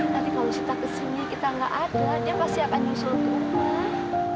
nanti kalau kita kesini kita nggak ada dia pasti akan nyusul ke rumah